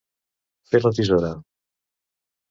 Fer la tisora.